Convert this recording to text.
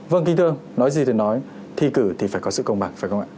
vâng kính thương nói gì thì nói thi cử thì phải có sự công bằng phải không ạ